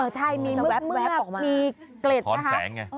เออใช่มีเมื่อกออกมามีเกล็ดนะฮะมันจะแวบออกมาสะท้อนแสง